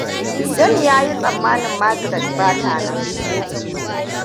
Jami ya yi tsammanin Margret bata nan.